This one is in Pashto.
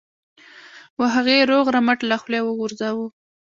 و هغه یې روغ رمټ له خولې وغورځاوه.